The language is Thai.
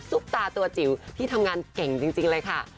ตาตัวจิ๋วที่ทำงานเก่งจริงเลยค่ะ